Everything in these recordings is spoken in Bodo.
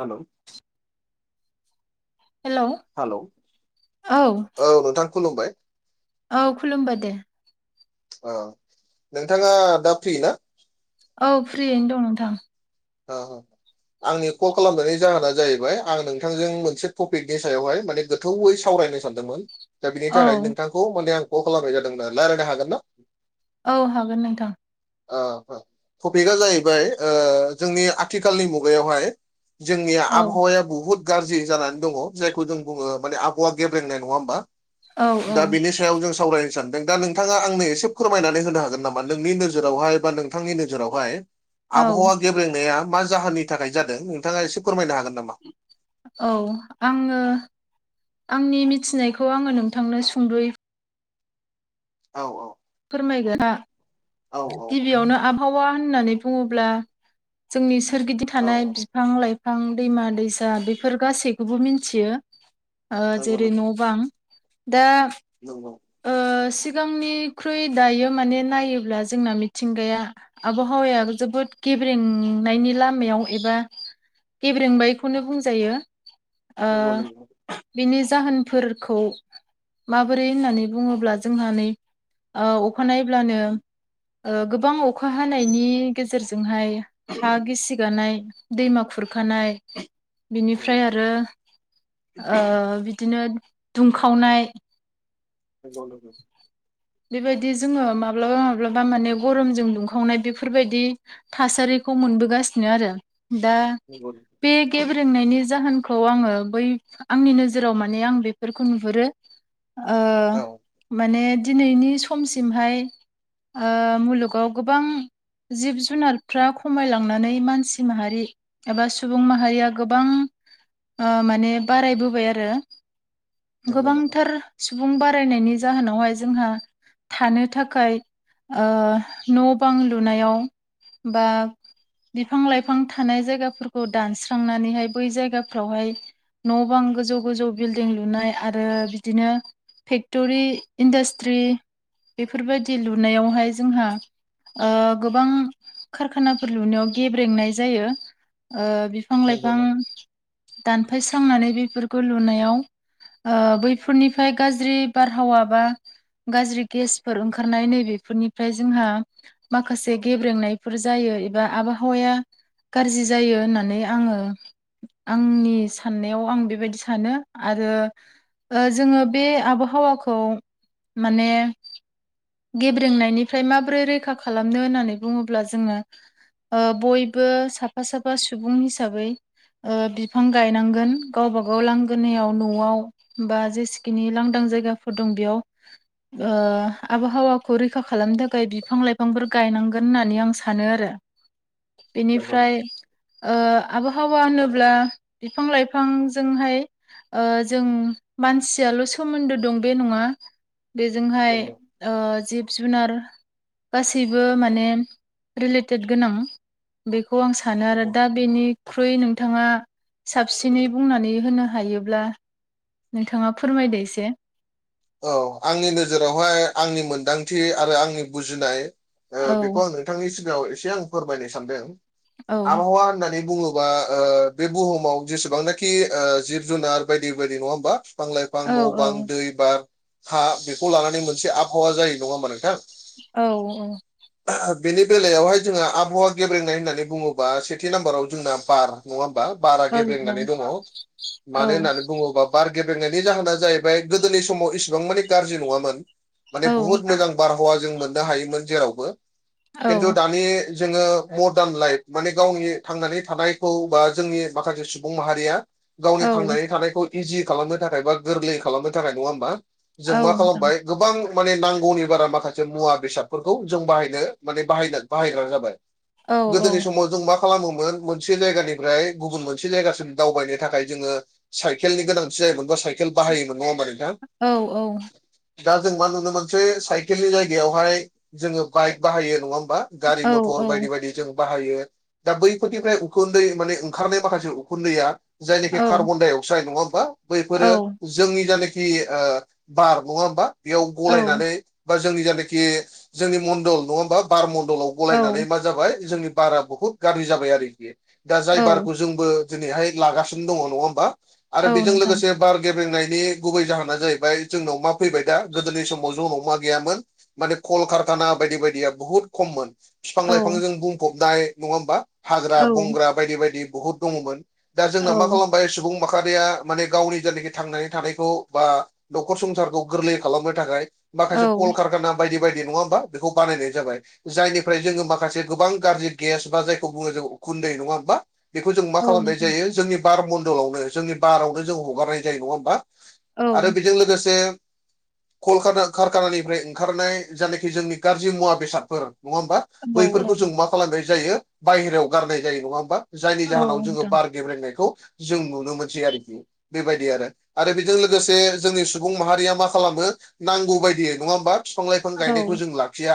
हेल' हेल' हेल' औ औ नोंथां खुलुमबाय औ खुलुमबाय दे अ नोंथाङा दा फ्रि ना औ फ्रियैनो दं नोंथां औ औ आंनि कल खालामनायनि जाहोना जाहैबाय आं नोंथांजों मोनसे टपिकनि सायावहाय माने गोथौवै सावरायनो सानदोंमोन दा बिनि औ थाखाय नोंथांखौ माने आं कल खालामनाय जादोंमोन रायज्लायनो हागोन ना औ हागोन नोंथां टपिकआ जाहैबाय जोंनि आथिखालनि मुगायावहाय जोंनिया औ आबहावाया बुहुत गाज्रि जानानै दङ जायखौ जों बुङो माने आबहावा गेब्रेंनाय नङा होमबा औ औ दा बेनि सायाव जों सावरायनो सानदों दा नोंथाङा आंनो एसे फोरमायनानै होनो हागोन नामा नोंनि नोजोरावहाय बा नोंथांनि नोजोरावहाय औ आबहावा गेब्रेंनाया मा जाहोननि थाखाय जादों नोंथाङा एसे फोरमायनो हागोन नामा औ आङो आंनि मिथिनायखौ आङो नोंथांनो सुंदयै औ फोरमायगोन औ गिबियावनो आब हावा होननानै बुङोब्ला जोंनि सोरगिदिं औ थानाय औ बि फां लाइफां दैमा दैसा बेफोर गासैखौबो मिथियो नंगौ जेरै न' नंगौ बां दा नंगौ ओ सिगांनिख्रुइ दायो माने नायोब्ला जोंना मिथिंगाया आबहावाया जोबोद गेब्रेंनायनि लामायाव एबा गेब्रेंबायखौनो बुंजायो ओ नंगौ नंगौ बिनि जाहोनफोरखौ माबोरै होननानै बुङोब्ला जोंहा नै औ अखानायब्लानो गोबां अखा हानायनि गेजेरजोंहाय हा गिसिगानाय दैमा खुरखानाय बिनिफ्राय आरो ओ बिदिनो दुंखावनाय नंगौ नोंथां बेबायदि जोङो माब्लाबा माब्लाबा माने गरमजों दुंखावनाय बेफोरबायदि थासारिखौ मोनबोगासिनो आरो दा नंगौ बे गेब्रेंनायनि जाहोनखौ आङो बै आंनि नोजोराव माने आं बेफोरखौ नुहुरो ओ औ माने दिनैनि समसिमहाय ओ मुलुगाव गोबां जिब जुनारफ्रा खमायलांनानै मानसि माहारि एबा सुबुं माहारिया गोबां ओ माने बारायबोबाय आरो नंगौ नोंथां गोबांथार सुबुं बारायनायनि जाहोनावहाय जोंहा थानो थाखाय ओ न' बां लुनायाव बा बिफां लाइफां थानाय जायगाफोरखौ दानस्रांनानैहाय बै जायगाफ्रावहाय न' बां गोजौ गोजौ बिल्डिं लुनाय आरो बिदिनो फेक्टरि इन्डासट्रि बेफोरबायदि लुनायावहाय जोंहा ओ गोबां खारखानाफोर लुनायाव गेब्रेंनाय जायो ओ बिफां नंगौ लाइफां नंगौ दानफायस्रांनानै बेफोरखौ लुनायाव बैफोरनिफ्राय गाज्रि बारहावा बा गाज्रि गेसफोर ओंखारनाय नै बेफोरनिफ्राय जोंहा माखासे गेब्रेंनायफोर जायो एबा आबहावाया गाज्रि जायो होननानै आङो आंनि साननायाव आं बेबायदि सानो आरो ओ जोङो बे आबहावाखौ माने गेब्रेंनायनिफ्राय माबोरै रैखा खालामनो होननानै बुङोब्ला जोङो बयबो साफा साफा सुबुं हिसाबै ओ बिफां गायनांगोन गावबा गाव लांगोनायाव न'वाव बा जेसेखिनि लांदां जायगाफोर दं बेयाव ओ आबहावाखौ रैखा खालामनो थाखाय बिफां लाइफांफोर गायनांगोन होननानै आं सानो आरो नंगौ बेनिफ्राय ओ आबहावा होनोब्ला बिफां लाइफांजोंहाय ओ जों मानसियाल' सोमोन्दो दं बे नङा बेजोंहाय नंगौ ओ जिब जुनार गासैबो माने रिलेटेद गोनां बेखौ आं सा नो आरो नंगौ दा बेनिख्रुइ नोंथाङा साबसिनै बुंनानै होनो हायोब्ला नोंथाङा फोरमायदो एसे। औ आंनि नोजोरावहाय आंनि मोनदांथि आरो आंनि बुजिनाय औ बेखौ आङो नोंथांनि सिगाङाव एसे आं फोरमायनो सानदों औ आबहावा होननानै बुङो बा ओ बे बुहुमाव जेसेबांनाखि ओ जिब जुनार बायदि बायदि नङा ओमबा? बिफां लाइफां औ न'- बां, दै, बार, हा बेखौ लानानै मोनसे आबहावा जायो नङा ओमबा नोंथां? औ औ बेनि बेलायावहाय जोंहा आबहावा गेब्रेंनाय होननानै बुङोबा सेथि नाम्बाराव जोंना बार नङा ओमबा बारा औ गेब्रेंनानै दङ औ मानो होननानै बुङोबा बार गेब्रेंनायनि जाहोना जाहैबाय गोदोनि समाव इसिबां माने गाज्रि नङामोन माने बुहुत मोजां बारहावा जों मोननो हायोमोन जेरावबो औ खिन्थु दानि जोङो मदार्न लाइफ माने गावनि थांनानै थानायखौ बा जोंनि माखासे सुबुं माहारिया गावनि औ थांनानै थानायखौ इजि खालामनो थाखाय बा गोरलै खालामनो थाखाय नङा ओमबा जों औ मा नोंथां खालामबाय? गोबां माने नांगौनि बारा माखासे मुवा बेसादफोरखौ जों बाहायनो माने बाहायनो बाहायग्रा जाबाय। औ औ गोदोनि समाव जों मा खालामोमोन मोनसे जायगानिफ्राय गुबुन मोनसे जायगासिम दावबायनो थाखाय जोङो साइकेलनि गोनांथि जायोमोनबा साइकेल बाहायोमोन नङा होमबा नोंथां? औ औ दा जों मा नुनो मोनसै साइकेलनि जायगायावहाय जोङो बाइक बाहायो नङा होमबा? गारि औ मथर औ बायदि बायदि जों बाहायो दा बैफोरनिफ्राय उखुन्दै माने ओंखारनाय माखासे उखुन्दैया जायनाखि औ कार्बन डाइ अक्साइड नङा होमबा बैफोरो औ जोंनि जायनाखि ओ बार नङा होमबा बेयाव गलायनानै बा जोंनि जायनाखि जोंनि मण्डल नङा होमबा बार मण्डलाव औ गलायनानै मा जाबाय जोंनि बारा बुहुत गाज्रि जाबाय आरो बियो दा जाय औ बारखौ जोंबो दिनैहाय लागासिनो दङ नङा होमबा आरो औ बेजों नोंथां लोगोसे बार गेबेंनायनि गुबै जाहोना जाहैबाय जोंनाव मा फैबाय दा गोदोनि समाव जों उनाव मा गैयामोन? माने कलकारखाना बायदि बायदिया बुहुत खममोन। बिफां औ लाइफांजों बुंफबनाय नङा होमबा हाग्रा औ बंग्रा बायदि बायदि बहुद दङमोन। दा औ जोंनाव मा खालामबाय सुबुं माहारिया माने गावनि जायनाखि थांनानै थानायखौ बा न'खर संसारखौ गोरलै खालामनो थाखाय माखासे औ कलकारखाना बायदि बायदि नङा ओमबा बेखौ बानायनाय जाबाय। जायनिफ्राय जोङो माखासे गोबां गाज्रि गेस बा जायखौ बुङो जों उखुन्दै नङा ओमबा? बेखौ जों मा औ खालामनाय नोंथां जायो जोंनि बार मन्दलावनो जोंनि बारावनो जों हगारनाय जायो नङा ओमबा? औ बेजों लोगोसे कलका कारखानानिफ्राय ओंखारनाय जायनााखि जोंनि गाज्रि मुवा बेसादफोर नङा होमबा? औ बैफोरखौ जों मा खालामनाय जायो बायहेरायाव गारनाय जायो नङा होमबा जायनि जाहोनाव जोङो नोंथां बार गेब्रेंनायखौ जों नुनो मोनसै आरोखि बेबायदि आरो आरो बेजों लोगोसे जोंनि सुबुं माहारिया मा खालामो नांगौ बायदियै नङा होमबा? बिफां लाइफां औ गायनायखौ जों लाखिया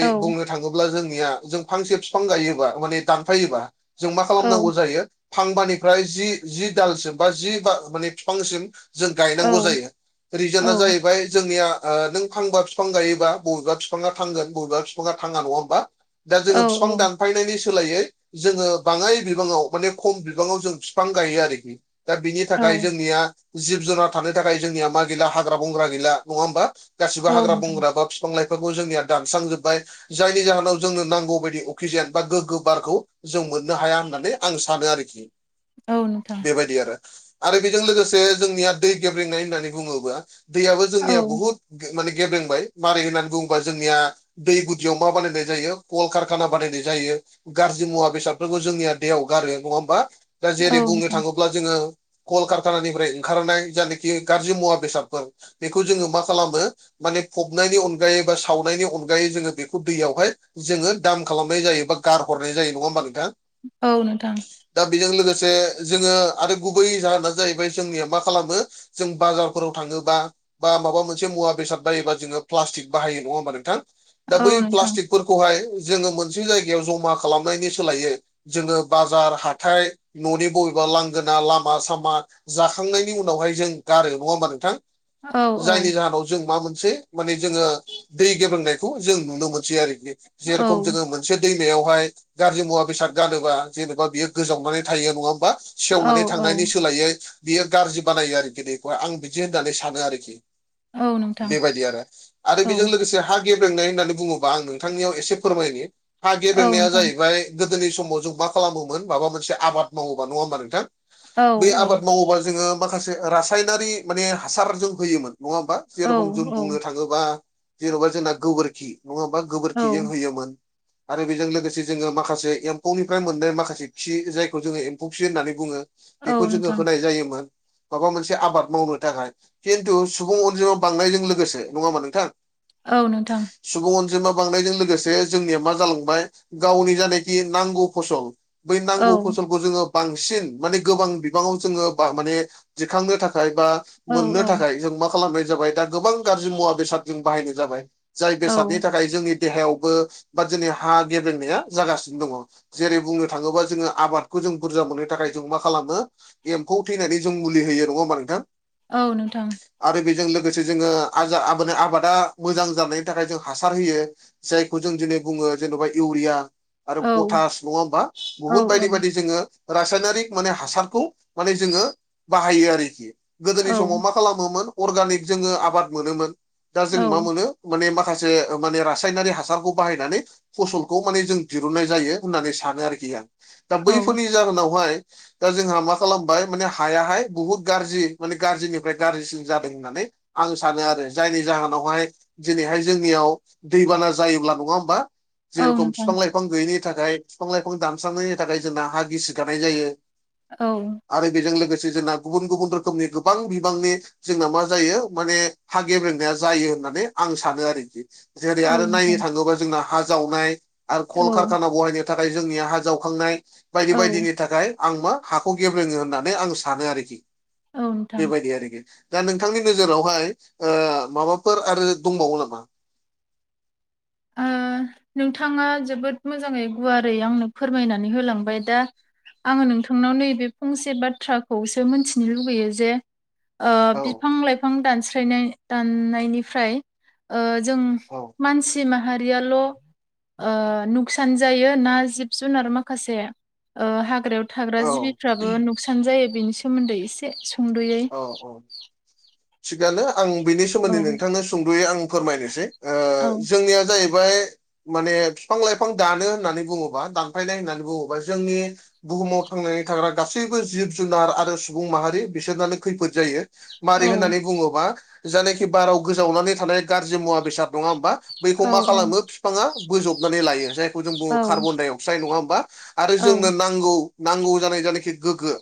औ बुंनो थाङोब्ला जोंनिया जों फांसे बिफां गायोबा माने दानफायोबा जों मा औ खालामनांगौ जायो? फांबानिफ्राय जि दालसिम बा जि ब माने बिफांसिम जों गायनांगौ जायो औ रिजोनआ जाहैबाय जोंनिया ओ नों फांबा बिफां गायोबा बबेबा बिफाङा थांगोन बबेबा बिफाङा थाङा नङा होनोमबा? दा औ जोङो बिफां दान दानफायनायनि सोलायै जोङो बाङाय बिबाङाव माने खम बिबाङाव जों बिफां गायो आरोखि। दा बिनि औ थाखाय जोंनिया जिब जुनार थानो थाखाय जोंनिया मा गैला हाग्रा बंग्रा गैला नङा होमबा? गासिबो औ हाग्रा नोंथां बंग्रा बा बिफां लाइफोरखौ जोंनिया दानस्रांजोब्बाय। जायनि जाहोनाव जोंनो नांगौ बायदि अक्सिजेन बा गोग्गो बारखौ जों मोननो हाया होननानै आं सानो आरोखि। औ नोंथां बेबायदि आरो आरो बेजों लोगोसे जोंनिया दै गेब्रेंनाय होननानै बुङोब्ला दैयाबो औ जोंनिया बहुत माने गेब्रेंबाय मारै होननानै बुङोबा जोंनिया दै गुदियाव मा बानायनाय जायो कल कारखाना बानायनाय जायो। गाज्रि मुवा बेसादफोरखौ जोंनिया दैयाव गारो नङा होमबा? दा औ जेरै बुंनो नोंथां थाङोब्ला जोङो कलकारखानानिफ्राय ओंखारनाय। जायनाखि गाज्रि मुवा बेसादफोर बेखौ जोङो मा खालामो। माने फबनायनि अनगायै बा सावनायनि अनगायै जोङो बेखौ दैयावहाय जोङो दाम खालामनाय जायो बा गारहरनाय जायो नङा होमबा नोंथां? औ नोंथां। दा बेजों लोगोसे जोङो आरो गुबै जाहोना जाहैबाय जोंनिया मा खालामो। जों बाजारफोराव थाङोबा बा माबा मोनसे मुवा बेसाद बायोबा जोङो प्लास्टिक बाहायो नङा होमबा नोंथां दा औ बै नोंथां प्लास्टिक फोरखौहाय जोङो मोनसे जायगायाव जमा खालामनायनि सोलायै जोङो बाजार हाथाइ न'नि बबेबा लांगोना लामा सामा जाखांनायनि उनावहाय जों गारो नङा होमबा नोंथां औ औ जायनि जाहोनाव जों मा मोनसे माने जोङो दै गेब्रेंनायखौ जों नुनो मोनसै आरोखि औ जेरेखम जोङो मोनसे दैमायावहाय गाज्रि मुवा बेसाद गारोबा जेनेबा बियो गोजावनानै थायो नङा होमबा? औ सेवनानै औ थांनायनि सोलायै बियो गाज्रि बानायो आरोखि खौ आं बिदि होननानै सानो आरोखि औ नोंथां बेबायदि आरो आरो बेजों औ लोगोसे हा गेब्रेंनाय होननानै बुङोबा आं नोंथांनियाव एसे फोरमायनि हा औ गेब्रेंनाया नोंथां जाहैबाय। गोदोनि समाव जों मा खालामोमोन माबा मोनसे आबाद मावोबा नङा होमबा नोंथां? औ बै आबाद मावोबा जोङो माखासे रासायनारि माने हासारजों होयोमोन नङा होमबा? औ जेरखम जों औ बुंनो थाङोबा जेन'बा जोंना गोबोरखि नङा होमबा औ गोबोरखि जों होयोमोन। आरो बेजों लोगोसे जोङो माखासे एम्फौनिफ्राय मोननाय माखासे खि जायखौ जोङो एम्फौ खि होननानै बुङो। औ बेखौ जोङो होनाय जायोमोन। माबा मोनसे आबाद मावनो थाखाय खिन्थु सुबुं अनजिमा बांनायजों लोगोसे नङा होनबा नोंथां? औ नोंथां। सुबुं अनजिमा बांनायजों लोगोसे जोंनिया मा जालांबाय गावनि जानाखि नांगौ फसल बै औ नांगौ फसलखौ जोङो बांसिन माने गोबां बिबाङाव जोङो माने दिखांनो थाखाय बा नोंथां औ नोंथां औ औ मोननो थाखाय औ जों मा खालामनाय जाबाय दा गोबां गाज्रि मुवा बेसाद जों बाहायनाय जाबाय जाय औ बेसादनि थाखाय थाखाय जोंनि देहायावबो बा जोंनि हा गेबेंनाया जागासिनो दङ। जेरै बुंनो थाङोबा जोङो आबादखौ जों बुरजा मोननो थाखाय जों मा खालामो एम्फौ थैनायनि जों मुलि होयो नङा होनबा नोंथां। औ नोंथां? आरो बेजों लोगोसे जोङो आबादा मोजां जानायनि थाखाय जों हासार होयो। जायखौ जों दिनै बुङो जेन'बा इउरिया। आरो औ औ पटास नङा होमबा बुहुत बायदि बायदि जोङो रासायनारिक माने हासारखौ माने जोङो बाहायो आरोखि गोदोनि समाव मा खालामोमोन अर्गानिक जोङो आबाद मोनोमोन दा जों मा मोनो। माने माखासे माने रासायनारि हासारखौ बाहायनानै फसलखौ माने जों दिरुन्नाय जायो होननानै सानो आरोखि आं दा बैफोरनि जाहोनावहाय दा जोंहा मा खालामबाय माने हायाहाय बुहुत गाज्रि माने गाज्रिनिफ्राय गाज्रिसिन जादों होननानै आं सानो आरो जायनि जाहोनावहाय दिनैहाय जोंनियाव दैबाना जायोब्ला नङा होमबा? जेरखम नोंथां बिफां लाइफां गैयैनि थाखाय बिफां लाइफां दानस्रांनायनि थाखाय जोंना हा गिसि गानाय जायो। औ। आरो बेजों लोगोसे जोंना गुबुन गुबुन रोखोमनि गोबां बिबांनि जोंना मा जायो माने हा गेब्रेंनाया जायो होननानै आं सानो आरोखि जेरै आरो नायनो थाङोबा जोंना हा जावनाय आरो कलकारखाना बहायनो थाखाय जोंनिया हा जावखांनाय बायदि बायदिनि थाखाय आं मा हाखौ गेब्रेङो होननानै आं सा सानो आरोखि औ नोंथां बेबायदि आरोखि दा नोंथांनि नोजोरावहाय माबाफोर आरो दंबावो नामा? ओ नोंथाङा जोबोद मोजाङै गुवारै आंनो फोरमायनानै होलांबाय दा आङो नोंथांनाव नैबे फंसे बाथ्राखौसो मोनथिनो लुबैयो जे ओ औ बिफां लाइफां दानस्रायनाय दाननायनिफ्राय ओ जों औ मानसि माहारियाल' ओ नुखसान जायो ना जिब जुनार माखासे ओ हाग्रायाव थाग्रा औ जिबिफ्राबो नुखसान जायो बेनि सोमोन्दै एसे सुंद'यै औ औ थिगानो आं बेनि औ सोमोन्दै नोंथांनो सुंद'यै आं फोरमायनोसै। ओ औ जोंनिया जाहैबाय माने बिफां लाइफां दानो होननानै बुङोबा दानफ्लायनाय होननानै बुङोबा जोंनि बुहुमाव थांनानै थाग्रा गासैबो जिब जुनार आरो सुबुं माहारि बिसोरनानो खैफोद जायो मारै औ होननानै बुङोबा जानाखि बाराव गोजावनानै थानाय गाज्रि मुवा बेसाद नङा होमबा बैखौ औ मा खालामो बिफाङा बोजबनानै लायो जायखौ जों औ बुङो कार्बन-डाइ -अक्साइड नङा ओमबा आरो औ जोंनो नांगौ नांगौ जानाय जानायखि गोगो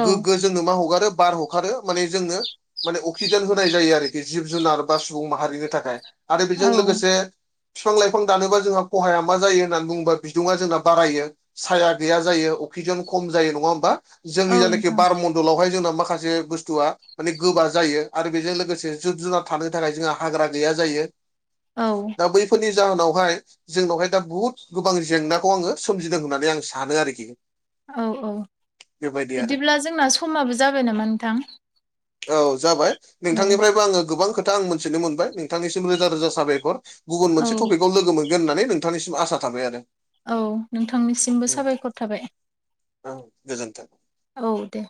औ गोग्गो जोंनो मा हगार खो बार हखारो माने जोङो माने अक्सिजेन होनाय जायो आरोखि जिब जुनार बा सुबुं माहारिनि थाखाय आरो बेजों औ लोगोसे फिफां लाइफां दानोबा जोंहा खहाया मा जायो होननानै बुङोबा बिदुङा जोंना बारायो। साया गैया जायो अक्सिजेन खम जायो नङा ओमबा औ जोंनि जायनायखि नोंथां बार मण्डलावहाय जोंनाव माखासे बुस्थुआ माने गोबा जायो आरो बेजों लोगोसे जिब जुनार थानो थाखाय जोंहा हाग्रा गैया जायो। औ दा बैफोरनि जाहोनावहाय जोंनावहाय दा बुहुद गोबां जेंनाखौ आङो सोमजिदों होननानै आं सानो आरोखि औ औ बेबायदि आरो बिदिब्ला जोंना समाबो जाबाय नामा नोंथां? औ जाबाय औ नोंथांनिफ्रायबो आङो गोबां खोथा आं मोनथिनो मोनबाय नोंथांनिसिम रोजा रोजा साबायखर गुबुन औ मोनसे टपिकाव लोगो मोनगोन होननानै नोंथांनिसिम आसा थाबाय आरो। औ नोंथांनिसिमबो साबायखर थाबाय। औ गोजोन्थों औ दे